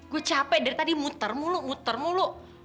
gue capek dari tadi muter mulu muter mulu